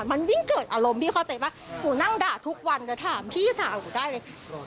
มันยิ่งเกิดอารมณ์พี่เข้าใจว่าหนูนั่งด่าทุกวันจะถามพี่สาวหนูได้เลย